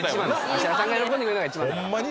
芦田さんが喜んでくれるのが一番ホンマ